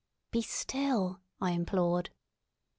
"Be still!" I implored.